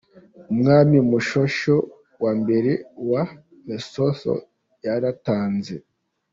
Umwami Moshoeshoe wa mbere wa Lesotho, yaratanze.